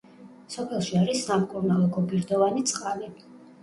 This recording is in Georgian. სოფელში არის სამკურნალო გოგირდოვანი წყალი.